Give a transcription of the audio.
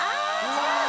違う。